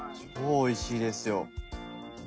超おいしいですよ。